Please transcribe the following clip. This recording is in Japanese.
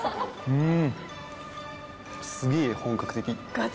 うん。